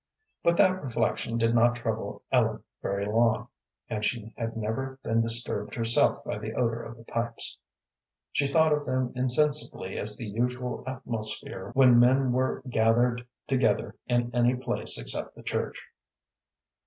But that reflection did not trouble Ellen very long, and she had never been disturbed herself by the odor of the pipes. She thought of them insensibly as the usual atmosphere when men were gathered together in any place except the church.